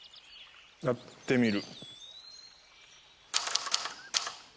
やってみる。